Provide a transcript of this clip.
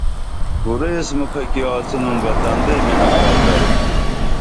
کُرئی ایس مُکھہ کی آڅنُن بہ تندئی منہ پرل درو